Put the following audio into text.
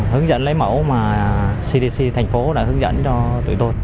hướng dẫn lấy mẫu mà cdc thành phố đã hướng dẫn cho tụi tôi